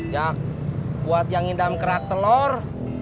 jack buat yang ngidam kerak telor